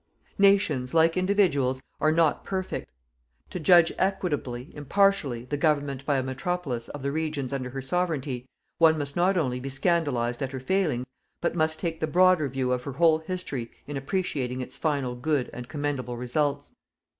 Nations, like individuals, are not perfect. To judge equitably, impartially, the government by a Metropolis of the regions under her Sovereignty, one must not only be scandalized at her failings, but must take the broader view of her whole history in appreciating its final good and commendable results.